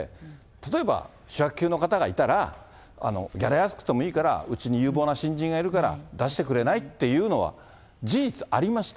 例えば主役級の方がいたら、ギャラ安くてもいいから、うちに有望な新人がいるから出してくれない？っていうのは、事実ありました。